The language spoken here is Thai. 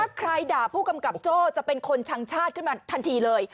ถ้าใครด่าผู้กำกับโจ้จะเป็นคนชังชาติขึ้นมาทันทีเลย